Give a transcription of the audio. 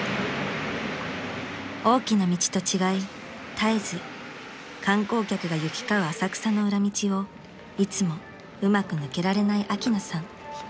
絶えず観光客が行き交う浅草の裏道をいつもうまく抜けられないアキナさん］